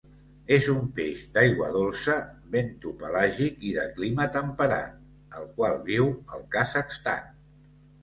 És un peix d'aigua dolça, bentopelàgic i de clima temperat, el qual viu al Kazakhstan.